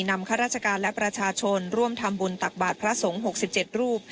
ข้าราชการและประชาชนร่วมทำบุญตักบาทพระสงฆ์๖๗รูป